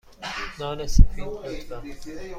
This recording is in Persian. نان سفید، لطفا.